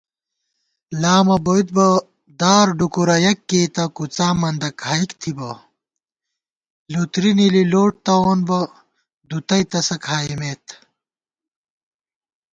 لامہ بوئیت بہ دار ڈکُورہ یَک کېئیتہ کُڅا مندہ کھائیک تھِبہ * لُتری نِلی لوٹ تَوون بہ دُتَئ تسہ کھائیمېت